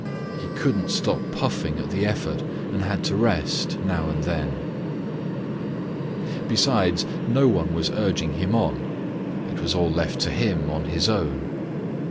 He couldn't stop puffing at the effort and had to rest now and then. Besides, no one was urging him on. It was all left to him on his own.